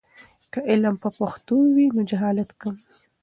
که علم په پښتو وي، نو جهالت کم وي.